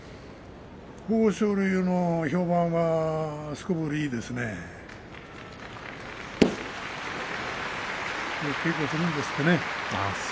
豊昇龍の評判すこぶるいいですよね。